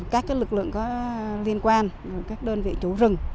các lực lượng có liên quan các đơn vị chủ rừng